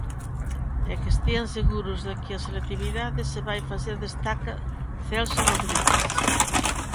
E que estean seguros de que a selectividade se vai facer, destaca Celso Rodríguez.